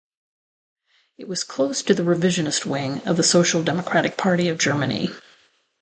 It was close to the revisionist wing of the Social Democratic Party of Germany.